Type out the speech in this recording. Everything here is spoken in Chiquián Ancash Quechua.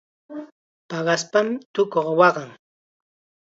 Paqaspam tukuqa waqan.